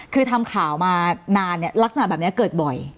คือทำข่าวมานานเนี่ยลักษณะแบบนี้เกิดบ่อย